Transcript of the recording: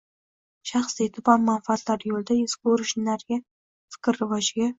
– shaxsiy, tuban manfaatlar yo‘lida ezgu urinishlarga, fikr rivojiga